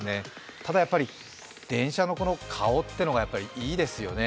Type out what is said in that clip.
ただやっぱり電車の顔というのがいいですよね。